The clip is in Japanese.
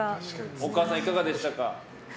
お母さん、いかがでしたか。